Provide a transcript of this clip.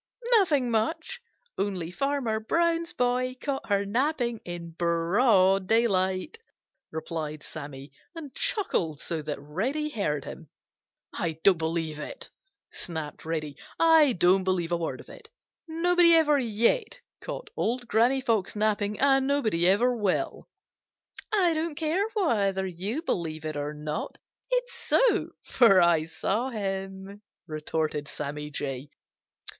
"Nothing much, only Farmer Brown's boy caught her napping in broad daylight," replied Sammy, and chuckled so that Reddy heard him. "I don't believe it!" snapped Reddy. "I don't believe a word of it! Nobody ever yet caught Old Granny Fox napping, and nobody ever will." "I don't care whether you believe it or not; it's so, for I saw him," retorted Sammy Jay.